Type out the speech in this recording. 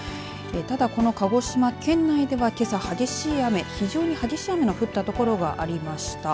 ただ、この鹿児島県内ではけさ激しい雨非常に激しい雨の降った所がありました。